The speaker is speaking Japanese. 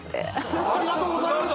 ありがとうございます！